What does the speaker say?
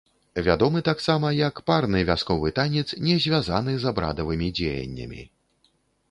Вядомы таксама як парны вясковы танец, не звязаны з абрадавымі дзеяннямі.